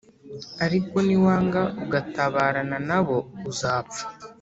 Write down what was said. Ariko niwanga ugatabarana na bo uzapfa